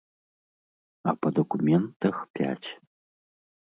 А па дакументах пяць.